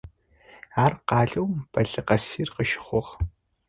Ар къалэу Балыкэсир къыщыхъугъ.